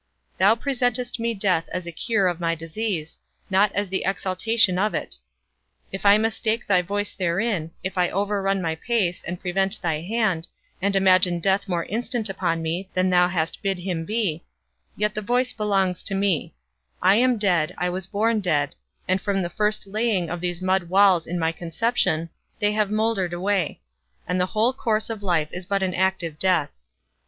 Thou presentest me death as the cure of my disease, not as the exaltation of it; if I mistake thy voice herein, if I overrun thy pace, and prevent thy hand, and imagine death more instant upon me than thou hast bid him be, yet the voice belongs to me; I am dead, I was born dead, and from the first laying of these mud walls in my conception, they have mouldered away, and the whole course of life is but an active death.